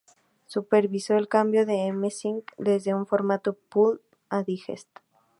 Supervisó el cambio de "Amazing" desde un formato "pulp" a "digest".